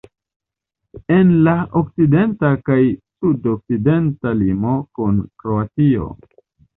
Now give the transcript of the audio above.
En la okcidenta kaj sudokcidenta limo kun Kroatio.